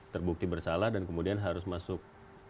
terbukti bersalah dan kemudian harus masuk